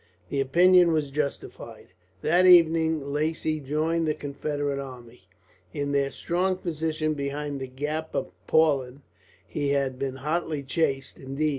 The opinion was justified. That evening Lacy joined the Confederate army, in their strong position behind the gap of Plauen. He had been hotly chased, indeed.